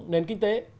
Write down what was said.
nền kinh tế